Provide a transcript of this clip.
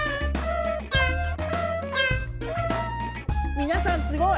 みなさんすごい！